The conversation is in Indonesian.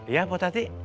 iya pak tati